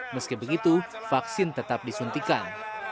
meski begitu vaksin tetap disuntikan